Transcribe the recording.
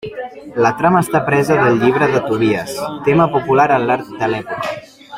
La trama està presa del Llibre de Tobies, tema popular en l'art de l'època.